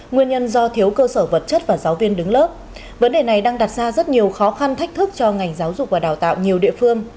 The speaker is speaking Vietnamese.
nguyên nhân do thiếu cơ sở vật chất và giáo viên đứng lớp vấn đề này đang đặt ra rất nhiều khó khăn thách thức cho ngành giáo dục và đào tạo nhiều địa phương